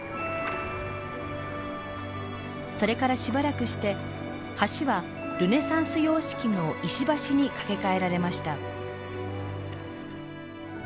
それからしばらくして橋はルネサンス様式の石橋に架け替えられました。